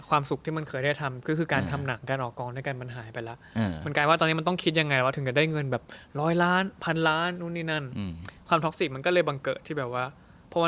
ความสุขที่มันเคยได้ทำ